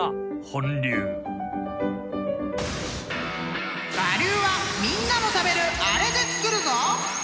［我流はみんなも食べるあれで作るぞ！］